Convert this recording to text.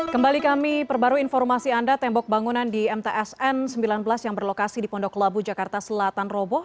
kembali kami perbarui informasi anda tembok bangunan di mtsn sembilan belas yang berlokasi di pondok labu jakarta selatan roboh